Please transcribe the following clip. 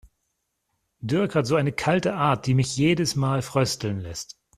Dirk hat so eine kalte Art, die mich jedes Mal frösteln lässt.